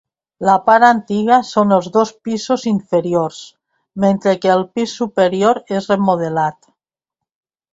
La part antiga són els dos pisos inferiors, mentre que el pis superior és remodelat.